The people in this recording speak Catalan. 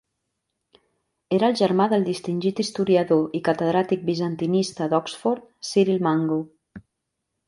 Era el germà del distingit historiador i catedràtic bizantinista d'Oxford Cyril Mango.